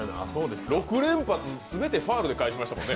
６連発全てファウルで返しましたもんね。